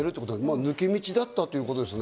抜け道だったということですね。